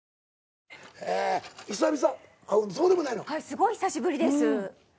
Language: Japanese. すごい久しぶりです。